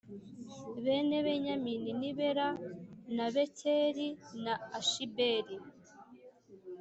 Bene Benyamini ni Bela na Bekeri na Ashibeli